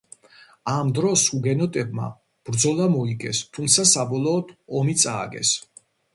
ამ დროს ჰუგენოტებმა ბრძოლა მოიგეს, თუმცა საბოლოოდ ომი წააგეს.